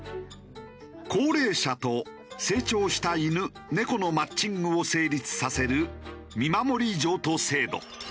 高齢者と成長した犬猫のマッチングを成立させる見守り譲渡制度。